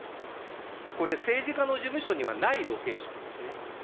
これ政治家の事務所にはないロケーションですね。